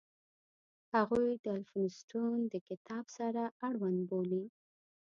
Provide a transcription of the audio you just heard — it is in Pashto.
هغوی د الفونستون د کتاب سره اړوند بولي.